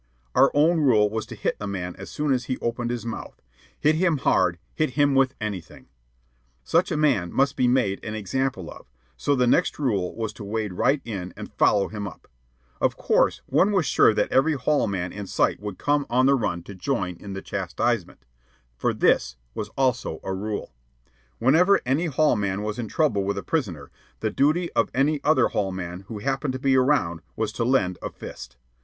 Our own rule was to hit a man as soon as he opened his mouth hit him hard, hit him with anything. A broom handle, end on, in the face, had a very sobering effect. But that was not all. Such a man must be made an example of; so the next rule was to wade right in and follow him up. Of course, one was sure that every hall man in sight would come on the run to join in the chastisement; for this also was a rule. Whenever any hall man was in trouble with a prisoner, the duty of any other hall man who happened to be around was to lend a fist.